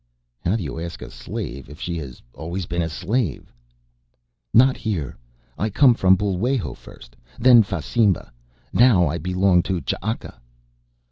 How do you ask a slave if she has always been a slave? "Not here. I come from Bul'wajo first, then Fasimba, now I belong to Ch'aka."